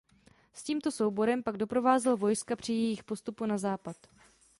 S tímto souborem pak doprovázel vojska při jejich postupu na západ.